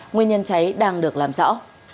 nguyên nhân cháy đang được làm rõ